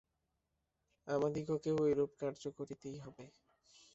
আমাদিগকেও ঐরূপ কার্য করিতেই হইবে।